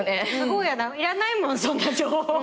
いらないもんそんな情報。